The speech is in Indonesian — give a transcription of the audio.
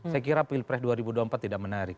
saya kira pilpres dua ribu dua puluh empat tidak menarik